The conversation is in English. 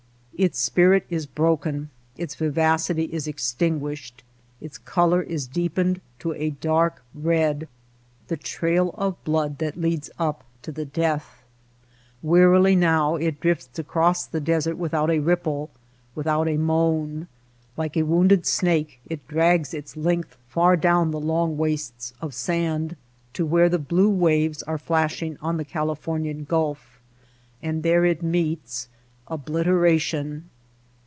Its spirit is broken, its vivacity is extinguished, its color is deepened to a dark red — the trail of blood that leads up to the death. Wearily now it drifts across the desert without a ripple, without a moan. Like a wounded snake it drags its length far down the long wastes of sand to where the blue waves are flashing on the Calif ornian Gulf. And there it meets — obliteration.